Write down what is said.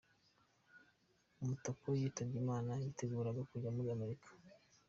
Umutako yitabye Imana yiteguraga kujya muri Amerika.